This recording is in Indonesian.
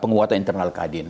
penguatan internal kadin